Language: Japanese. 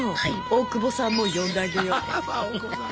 大久保さんも呼んであげよう。